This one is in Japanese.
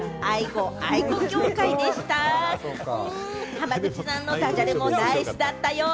浜口さんのダジャレもナイスだったよ！